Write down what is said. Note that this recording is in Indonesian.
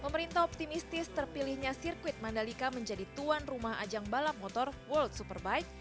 pemerintah optimistis terpilihnya sirkuit mandalika menjadi tuan rumah ajang balap motor world superbike